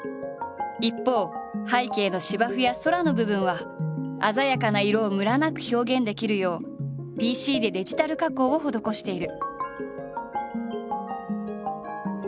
一方背景の芝生や空の部分は鮮やかな色をムラなく表現できるようＰＣでデジタル加工を施している。